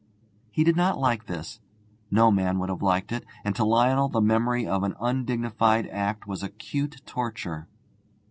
He did not like this no man would have liked it; and to Lionel the memory of an undignified act was acute torture.